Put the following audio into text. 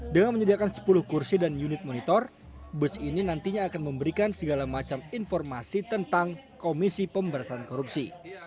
dengan menyediakan sepuluh kursi dan unit monitor bus ini nantinya akan memberikan segala macam informasi tentang komisi pemberantasan korupsi